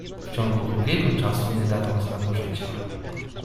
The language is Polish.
"W ciągu długiego czasu nie dawał znaku życia."